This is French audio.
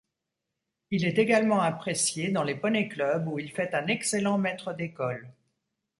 Il est également apprécié dans les poney-clubs où il fait un excellent maître d'école.